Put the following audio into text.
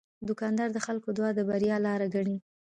دوکاندار د خلکو دعا د بریا لاره ګڼي.